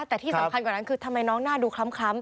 แต่ที่สำคัญกว่านั้นคือทำไมน้องหน้าดูคล้ำ